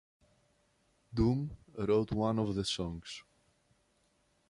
Doom wrote one of the songs.